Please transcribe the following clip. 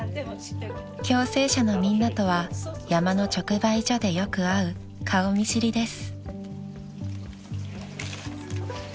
［共生舎のみんなとは山の直売所でよく会う顔見知りです］